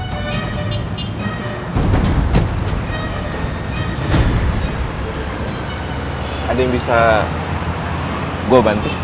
tidak ada yang bisa melakukan apa yang saya inginkan